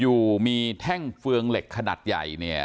อยู่มีแท่งเฟืองเหล็กขนาดใหญ่เนี่ย